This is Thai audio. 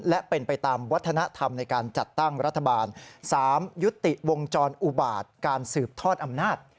และเป็นไปตามวัฒนธรรมในการจัดตั้งรัฐบาล๓ยุติวงจรอุบาตการสืบทอดอำนาจ